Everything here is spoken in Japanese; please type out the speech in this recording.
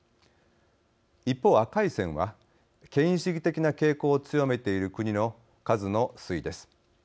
一方、赤い線は権威主義的な傾向を強めている国の数の推移です。